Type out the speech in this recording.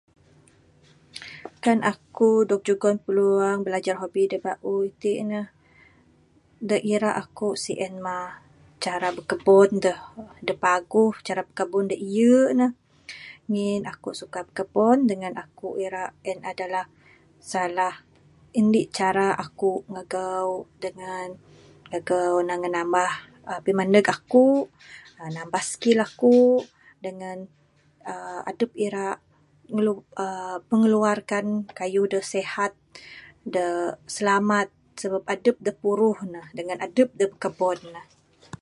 Kan akuk dog jugon peluang belajar hobi da bauh iti' ne, da ira' akuk sien mah cara bekebun da, da paguh. Cara bekebun da iye ne, ngin akuk suka bekebun dengan akuk irak en' adalah salah indik cara akuk ngagu dengan ngagu nambah-nambah pimandug akuk. uhh Nambah skill akuk dengan uhh adup ira' uhh pengeluarkan kayuh da sehat da slamat sebab adup da puruh ne dengan adup da bikabon.